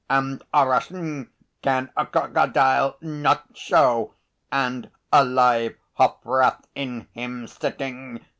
And a Russian can a crocodile not show and a live hofrath in him sitting!